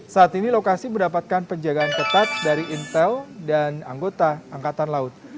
saat ini lokasi mendapatkan penjagaan ketat dari intel dan anggota angkatan laut